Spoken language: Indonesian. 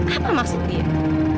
apa maksud dia